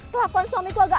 kelakuan suamiku agak aneh